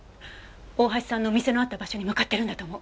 大橋さんの店のあった場所に向かってるんだと思う。